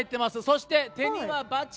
そして手には、ばち。